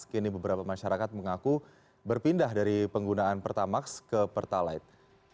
kini beberapa masyarakat mengaku berpindah dari penggunaan pertamax ke pertalite